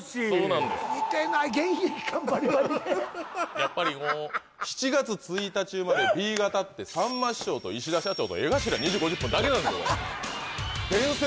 やっぱり７月１日生まれＢ型ってさんま師匠と石田社長と江頭２：５０だけなんですよ